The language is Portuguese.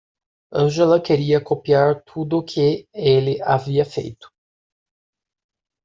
Angela queria copiar tudo o que ele havia feito.